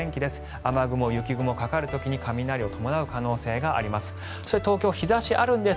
雨雲、雪雲かかる時に雷を伴う可能性があります。